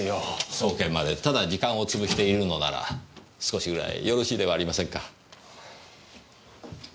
送検までただ時間を潰しているのなら少しぐらいよろしいではありませんか。